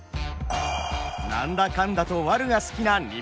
何だかんだとワルが好きな日本人。